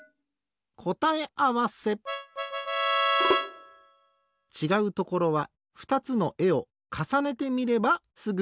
こたえあわせちがうところはふたつのえをかさねてみればすぐわかる。